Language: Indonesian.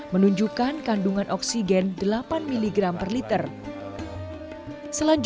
menunjukkan kandungan oksigen delapan ton